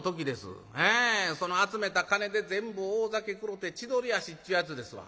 ええその集めた金で全部大酒食ろて千鳥足っちゅうやつですわ。